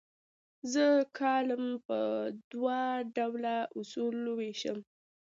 زه کالم په دوه ډوله اصولو ویشم.